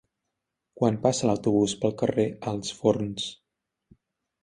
Quan passa l'autobús pel carrer Alts Forns?